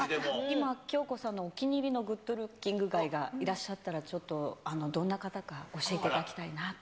今、恭子さんのお気に入りのグッドルッキングガイがいらっしゃったらちょっと、どんな方か教えていただきたいなと。